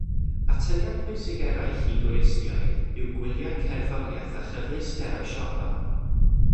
Atyniadau pwysig eraill i dwristiaid yw gwyliau cerddoriaeth a chyfleusterau siopa.